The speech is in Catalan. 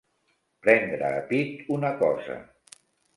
Prendre a pit una cosa.